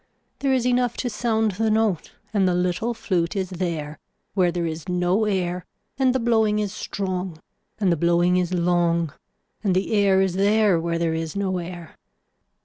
There is enough to sound the note and the little flute is there where there is no air and the blowing is strong and the blowing is long and the air is there where there is no air.